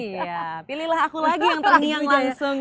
iya pilihlah aku lagi yang terniang langsung ya